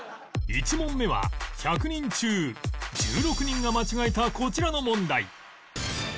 １問目は１００人中１６人が間違えたこちらの問題